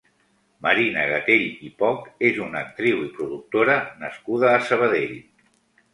Marina Gatell i Poch és una actriu i productora nascuda a Sabadell.